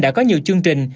đã có nhiều chương trình